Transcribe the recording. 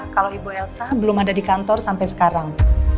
kalau ibu elsa belum ada di kantor sampai sekarang